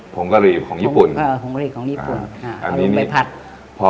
ผงกะหรี่ของญี่ปุ่นอ่าผงกะหรี่ของญี่ปุ่นอ่าอันนี้นี่เอาลงไปผัด